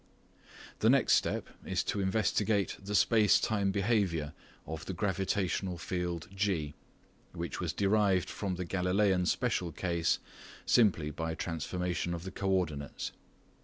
The next step is to investigate the space time behaviour of the gravitational field G, which was derived from the Galileian special case simply by transformation of the coordinates.